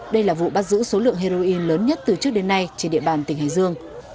đây là vụ bắt giữ số lượng heroin lớn nhất từ trước đến nay trên địa bàn tỉnh hải dương